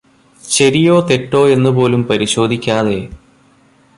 ശരിയോ തെറ്റോ എന്നു പോലും പരിശോധിക്കാതെ